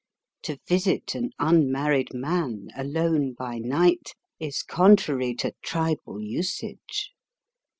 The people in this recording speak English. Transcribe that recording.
To visit an unmarried man alone by night is contrary to tribal usage.